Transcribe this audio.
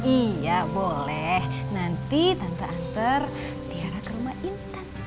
iya boleh nanti tante antar tiara ke rumah intan